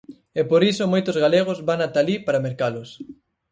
E por iso moitos galegos van ata alí para mercalos.